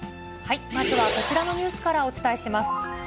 まずはこちらのニュースからお伝えします。